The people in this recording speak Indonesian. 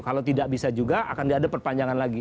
kalau tidak bisa juga akan ada perpanjangan lagi